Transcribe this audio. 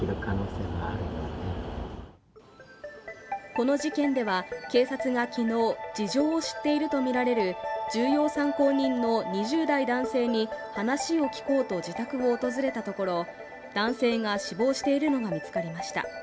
この事件では、警察が昨日、事情を知っているとみられる重要参考人の２０代男性に話を聞こうと自宅を訪れたところ、男性が死亡しているのが見つかりました。